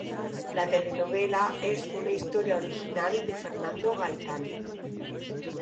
La telenovela es una historia original de Fernando Gaitán.